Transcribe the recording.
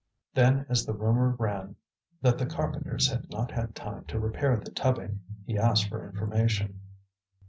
Then, as the rumour ran that the carpenters had not had time to repair the tubbing, he asked for information.